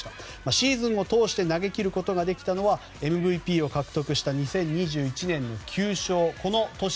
シーズンを通して投げ切ることができたのはＭＶＰを獲得した９勝した２０２１年。